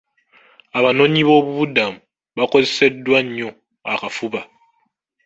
Abanoonyiboobubudamu bakoseddwa nnyo akafuba.